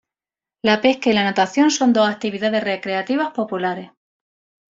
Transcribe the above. La pesca y la natación son dos actividades recreativas populares.